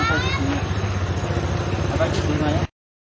ขอบคุณภูเดิร์ฟฟาร์เฟต